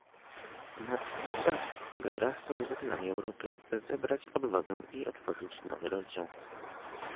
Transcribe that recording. Nadszedł czas, by wraz z obywatelami Europy zebrać odwagę i otworzyć nowy rozdział